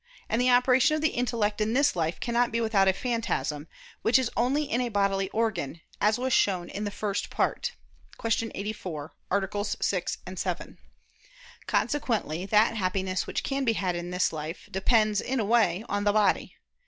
And the operation of the intellect in this life cannot be without a phantasm, which is only in a bodily organ, as was shown in the First Part (Q. 84, AA. 6, 7). Consequently that happiness which can be had in this life, depends, in a way, on the body.